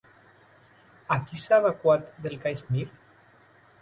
A qui s'ha evacuat del Caixmir?